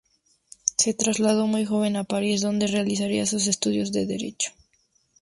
Se trasladó muy joven a París, donde realizaría sus estudios de derecho.